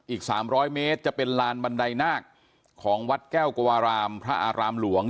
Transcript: อีก๓๐๐เมตรจะเป็นลานบันไดนาคของวัดแก้วกวารามพระอารามหลวง